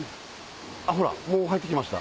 ほらもう入って来ました